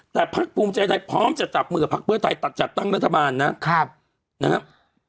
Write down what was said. แต่พรรคภูมิใจไทยพร้อมจะจับมือพรรคเพื่อไทยตัดจัดตั้งรัฐบาลนะครับนะครับ